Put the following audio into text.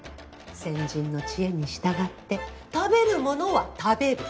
先人の知恵に従って食べるものは食べる。